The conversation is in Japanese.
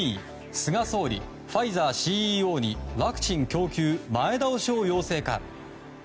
菅総理、ファイザーＣＥＯにワクチン供給前倒しを要請か。